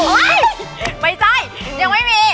ไห่ยยยยยยไม่ใส่ยังไม่มี